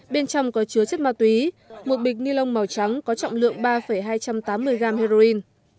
bên trong có chứa chất ma túy một bịch ni lông màu trắng có trọng lượng ba hai trăm tám mươi gram heroin